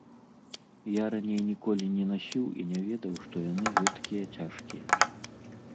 Я раней ніколі не насіў і не ведаў, што яны гэткія цяжкія.